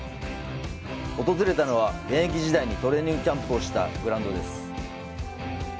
訪れたのは、現役時代にトレーニングキャンプをしたグラウンドです。